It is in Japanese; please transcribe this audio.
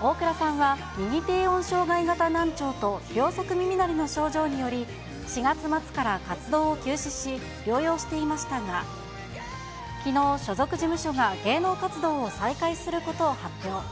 大倉さんは、右低音障害型難聴と両側耳鳴りの症状により、４月末から活動を休止し、療養していましたが、きのう、所属事務所が芸能活動を再開することを発表。